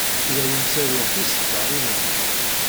Ur awen-ttaruɣ tiṣeddarin-nwen.